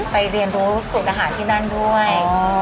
เรียนรู้สูตรอาหารที่นั่นด้วย